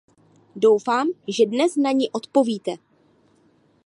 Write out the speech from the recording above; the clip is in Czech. Doufám, že dnes na ni odpovíte.